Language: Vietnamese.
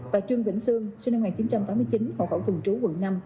và trương vĩnh sương sinh năm một nghìn chín trăm tám mươi chín hộ khẩu thường trú quận năm